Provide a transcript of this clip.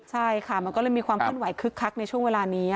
ใช่ค่ะมันก็เลยมีความเคลื่อนไหวคึกคักในช่วงเวลานี้